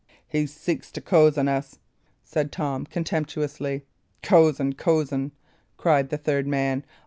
"He seeks but to cozen us," said Tom, contemptuously. "Cozen! cozen!" cried the third man.